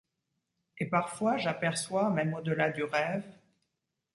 Et parfois j’aperçois, même au delà du rêve